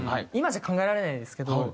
今じゃ考えられないですけど。